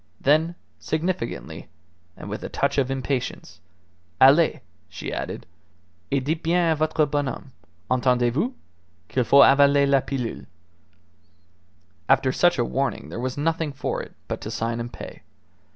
Then, significantly, and with a touch of impatience, "Allez," she added, "et dites bien a votre bonhomme entendez vous? qu'il faut avaler la pilule." After such a warning there was nothing for it but to sign and pay.